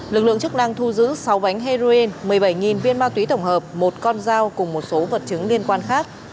lực lượng chức năng thu giữ sáu bánh heroin một mươi bảy viên ma túy tổng hợp một con dao cùng một số vật chứng liên quan khác